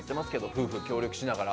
夫婦協力しながら。